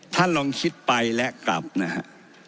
ท่านลองคิดไปและกลับนะฮะ